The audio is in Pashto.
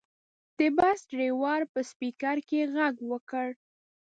د بس ډریور په سپیکر کې غږ وکړ.